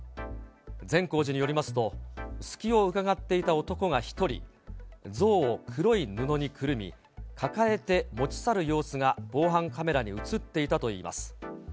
善光寺によりますと、隙をうかがっていた男が１人、像を黒い布にくるみ、抱えて持ち去る様子が防犯カメラに写っていたといいます。